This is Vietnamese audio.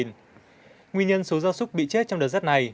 nguyên nhân số da súc bị chết trong đợt rết này